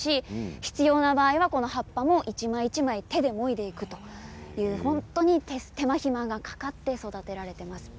必要な場合は葉っぱも一枚一枚手で、もいでいくという手間暇をかけて育てています。